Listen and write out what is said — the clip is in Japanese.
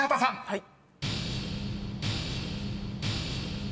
はい。